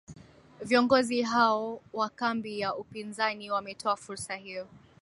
viongozi hao wa kambi ya upinzani wametoa fursa hiyo